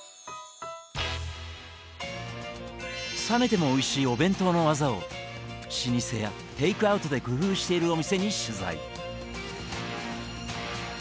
冷めてもおいしいお弁当のワザを老舗やテイクアウトで工夫しているお店に取材。